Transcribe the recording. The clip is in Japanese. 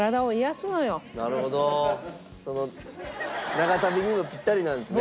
長旅にもピッタリなんですね。